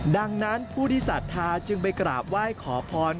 ดังนั้นผู้ที่ศรัทธาจึงไปกราบไหว้ขอพร